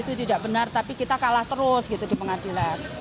itu tidak benar tapi kita kalah terus gitu di pengadilan